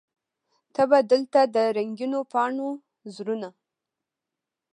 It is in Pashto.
ته به دلته د رنګینو پاڼو زړونه